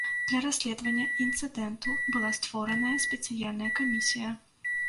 Для расследавання інцыдэнту была створаная спецыяльная камісія.